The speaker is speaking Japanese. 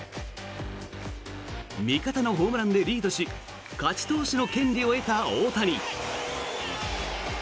味方のホームランでリードし勝ち投手の権利を得た大谷。